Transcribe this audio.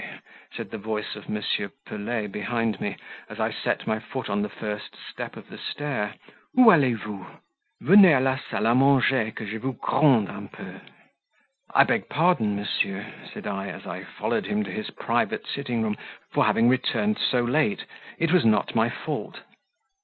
said the voice of M. Pelet behind me, as I set my foot on the first step of the stair, "ou allez vous? Venez a la salle a manger, que je vous gronde un peu." "I beg pardon, monsieur," said I, as I followed him to his private sitting room, "for having returned so late it was not my fault."